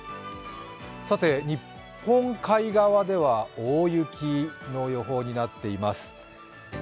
日本海側では大雪の予報になっています。